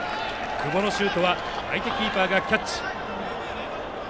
久保のシュートは相手キーパーがキャッチ。